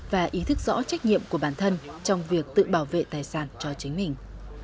và ý thức rõ trách nhiệm của bản thân trong việc tự bảo vệ tài sản cho chính mình